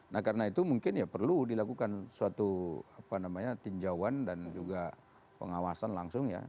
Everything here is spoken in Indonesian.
nah karena itu mungkin ya perlu dilakukan suatu tinjauan dan juga pengawasan langsung ya